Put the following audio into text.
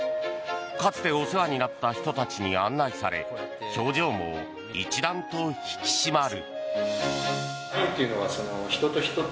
かつてお世話になった人たちに案内され表情も一段と引き締まる。